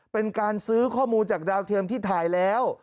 เป็นการซื้อข้อมูลจากดาวเทียมที่ถ่ายแล้ว